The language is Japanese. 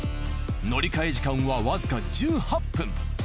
乗り換え時間はわずか１８分。